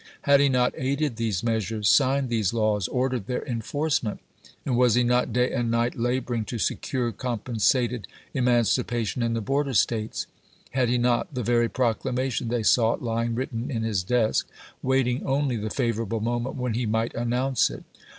Had he not aided these measures, signed these laws, ordered their enforcement ; and was he not, day and night, laboring to secure com pensated emancipation in the border States ? Had he not the very proclamation they sought lying written in his desk, waiting only the favorable moment when he might announce it